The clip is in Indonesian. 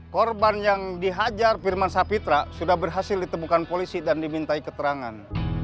korban yang dihajar firman sapitra sudah berhasil ditemukan polisi dan dimintai keterangan